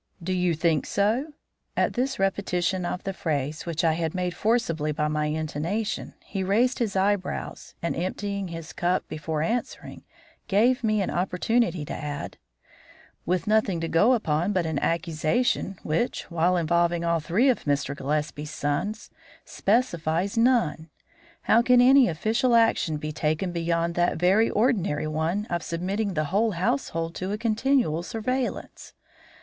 "Do you think so?" At this repetition of the phrase, which I had made forcible by my intonation, he raised his eyebrows and, emptying his cup before answering, gave me an opportunity to add: "With nothing to go upon but an accusation which, while involving all three of Mr. Gillespie's sons, specifies none, how can any official action be taken beyond that very ordinary one of submitting the whole household to a continual surveillance?